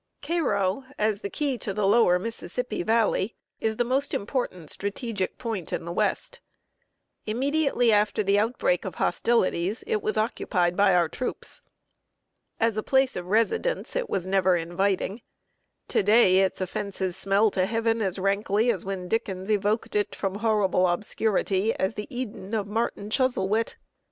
Cairo, as the key to the lower Mississippi valley, is the most important strategic point in the West. Immediately after the outbreak of hostilities, it was occupied by our troops. As a place of residence it was never inviting. To day its offenses smell to heaven as rankly as when Dickens evoked it, from horrible obscurity, as the "Eden" of Martin Chuzzlewit.